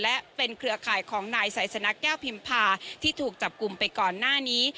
และเป็นเครือข่ายของนายไซสนะแก้วพิมพาที่ถูกจับกลุ่มไปก่อนหน้านี้